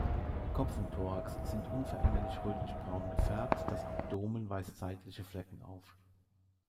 Kopf und Thorax sind unveränderlich rötlich braun gefärbt; das Abdomen weist seitliche Flecken auf.